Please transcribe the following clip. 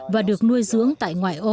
và được nuôi dưỡng tại ngoại ô